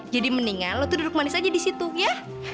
jadi mendingan lo tuh duduk manis aja di situ ya